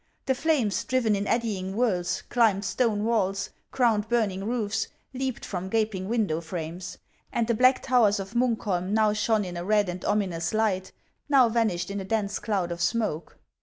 The flames, driven in eddying whirls, climbed stone walls, crowned burning roofs, leaped from gaping window frames ; and the black towers of Mimkholm now shone in a red and ominous light, now vanished in a dense cloud of smoke.